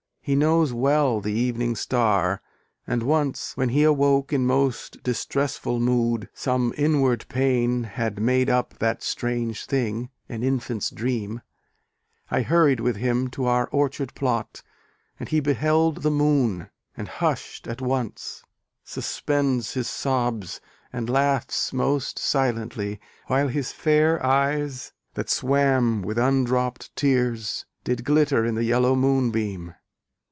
He knows well The evening star; and once, when he awoke In most distressful mood (some inward pain Had made up that strange thing, an infant's dream) I hurried with him to our orchard plot, And he beheld the Moon, and, hushed at once, Suspends his sobs, and laughs most silently, While his fair eyes, that swam with un dropped tears, Did glitter in the yellow moonbeam!